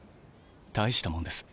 大したもんです。